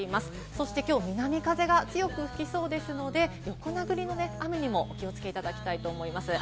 そして今日は南風が強く吹きそうですので、横殴りの雨にもお気をつけいただきたいと思います。